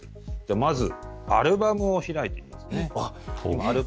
まず、アルバムを開いてみます。